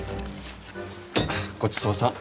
ごちそうさん。